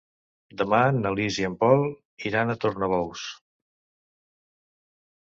Demà na Lis i en Pol iran a Tornabous.